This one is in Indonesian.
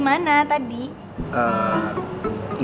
cuma bantu bantu doang